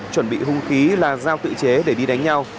chuẩn bị hung khí là giao tự chế để đi đánh nhau